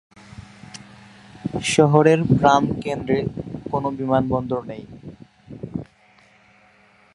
শহরের প্রাণকেন্দ্রে কোনো বিমানবন্দর নেই।